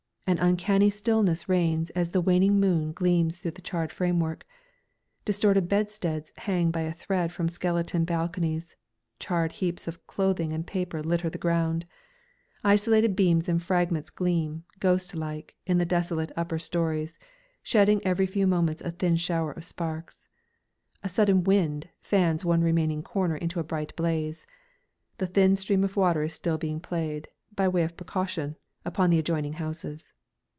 An uncanny stillness reigns as the waning moon gleams through the charred framework. Distorted bedsteads hang by a thread from skeleton balconies, charred heaps of clothing and paper litter the ground. Isolated beams and fragments gleam, ghostlike, in the desolate upper stories, shedding every few moments a thin shower of sparks. A slight wind fans the one remaining corner into a bright blaze. The thin stream of water is still being played, by way of precaution, upon the adjoining houses.